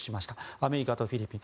アメリカとフィリピン。